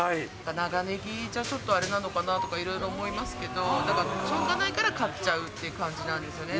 長ねぎじゃちょっとあれなのかなとかいろいろ思いますけど、なんか、しょうがないから買っちゃうという感じなんですよね。